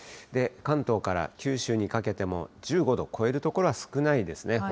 関東から九州にかけても、１５度を超える所は少ないですね。